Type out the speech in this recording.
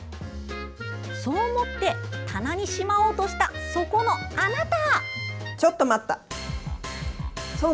そう思って棚にしまおうとしたそこのあなた！